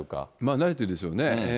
慣れてるでしょうね。